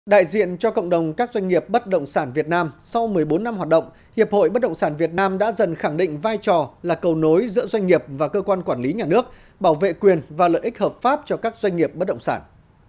đại diện cho cộng đồng các doanh nghiệp bất động sản việt nam sau một mươi bốn năm hoạt động hiệp hội bất động sản việt nam đã dần khẳng định vai trò là cầu nối giữa doanh nghiệp và cơ quan quản lý nhà nước bảo vệ quyền và lợi ích hợp pháp cho các doanh nghiệp bất động sản